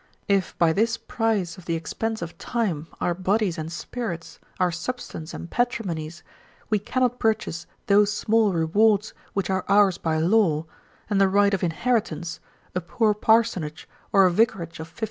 If by this price of the expense of time, our bodies and spirits, our substance and patrimonies, we cannot purchase those small rewards, which are ours by law, and the right of inheritance, a poor parsonage, or a vicarage of 50_l.